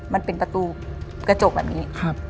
มันเป็นประตูกระจกแบบนี้